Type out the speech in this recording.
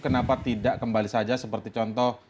kenapa tidak kembali saja seperti contoh